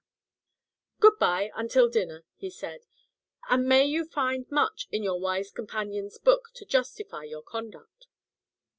"Good by, until dinner," he said, "and may you find much in your wise companion's book to justify your conduct."